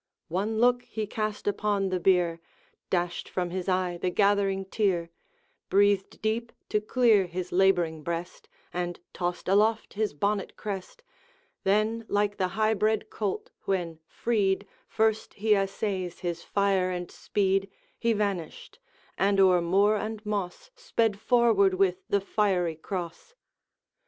One look he cast upon the bier, Dashed from his eye the gathering tear, Breathed deep to clear his laboring breast, And tossed aloft his bonnet crest, Then, like the high bred colt when, freed, First he essays his fire and speed, He vanished, and o'er moor and moss Sped forward with the Fiery Cross.